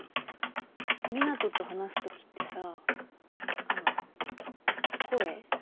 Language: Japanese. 湊斗と話すときってさあの声？